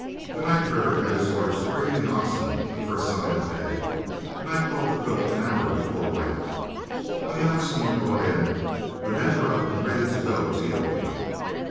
The night herder had his orders to bring in the oxen the first sign of day, and I called the cook an hour before light. When the oxen were brought in, the men were up and ready to go to yoking.